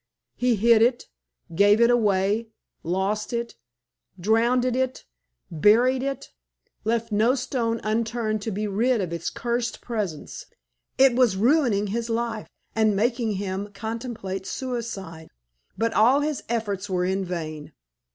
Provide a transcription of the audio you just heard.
He hid it gave it away lost it drowned it buried it left no stone unturned to be rid of its cursed presence. It was ruining his life, and making him contemplate suicide. But all his efforts were in vain.